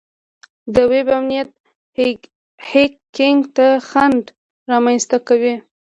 د ویب امنیت هیکینګ ته خنډ رامنځته کوي.